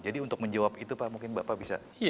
jadi untuk menjawab itu pak mungkin bapak bisa